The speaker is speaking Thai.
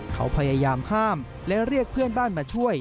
เขาพยายามห้ามและเรียกเพื่อนบ้านมาช่วย